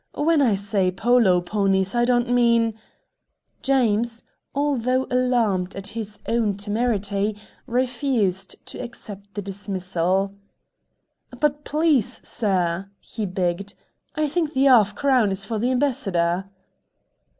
When I say polo ponies, I don't mean " James, although alarmed at his own temerity, refused to accept the dismissal. "But, please, Sir," he begged; "I think the 'arf crown is for the Ambassador."